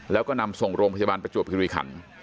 แล้วก็นำส่งโรงพยาบาลประจวบคิริขัน